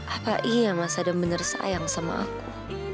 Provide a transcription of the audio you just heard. apa iya mas adam benar benar sayang sama aku